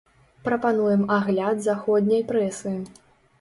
Прапануем агляд заходняй прэсы.